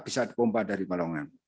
bisa di pompa dari balongan